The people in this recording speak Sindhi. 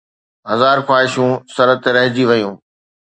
هزار خواهشون سر تي رهجي ويون